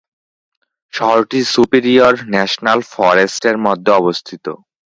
শহরটি Superior National ফরেস্টের মধ্যে অবস্থিত।